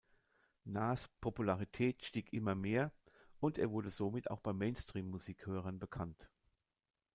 Nas’ Popularität stieg immer mehr, und er wurde somit auch bei Mainstream-Musik-Hörern bekannt.